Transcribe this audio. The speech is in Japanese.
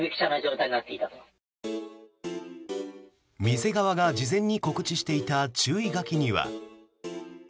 店側が事前に告知していた注意書きには。